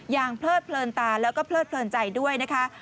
อย่างเพลิดเพลินตาและเพลิดเพลินใจด้วยนะคะ